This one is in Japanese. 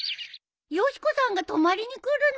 よし子さんが泊まりにくるの？